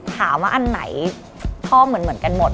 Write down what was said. ถามว่าอันไหนชอบเหมือนกันหมด